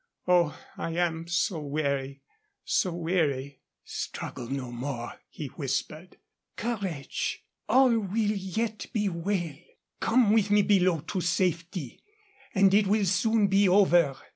Oh, I am so weary so weary." "Struggle no more," he whispered. "Courage; all will yet be well. Come with me below to safety, and it will soon be over."